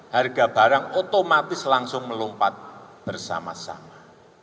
harga barang otomatis langsung melompat bersama sama